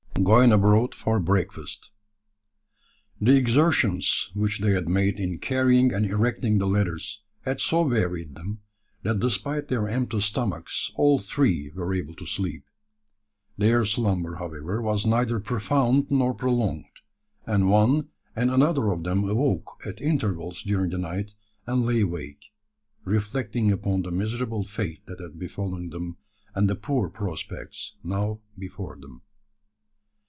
GOING ABROAD FOR BREAKFAST. The exertions which they had made in carrying and erecting the ladders had so wearied them, that, despite their empty stomachs, all three were able to sleep. Their slumber, however, was neither profound nor prolonged; and one and another of them awoke at intervals during the night and lay awake, reflecting upon the miserable fate that had befallen them, and the poor prospects now before them.